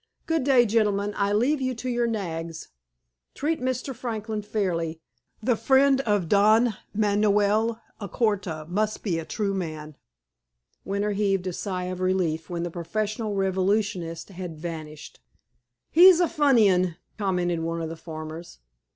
"Good day, gentlemen. I leave you to your nags. Treat Mr. Franklin fairly. The friend of Don Manoel Alcorta must be a true man." Winter heaved a sigh of relief when the professional revolutionist had vanished. "He's a funny 'un," commented one of the farmers.